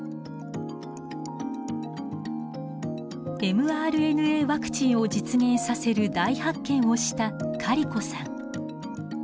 ｍＲＮＡワクチンを実現させる大発見をしたカリコさん。